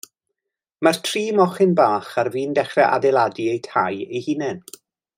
Mae'r tri mochyn bach ar fin dechrau adeiladu eu tai eu hunain.